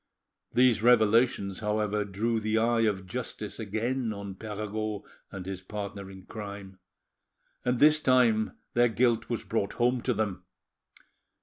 These revelations, however, drew the eye of justice again on Perregaud and his partner in crime, and this time their guilt was brought home to them.